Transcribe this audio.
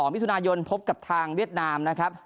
มิถุนายนพบกับทางเวียดนามนะครับ